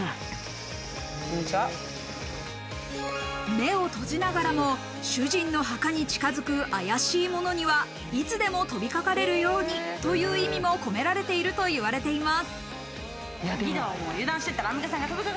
目を閉じながらも主人の墓に近づくあやしい者には、いつでも飛びかかれるようにという意味も込められているといわれています。